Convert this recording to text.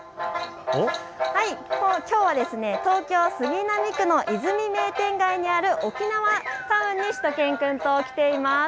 きょうは東京杉並区の和泉明店街にある沖縄タウンにしゅと犬くんと来ています。